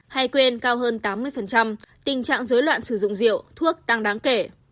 hay quên cao hơn tám mươi tình trạng dối loạn sử dụng rượu thuốc tăng đáng kể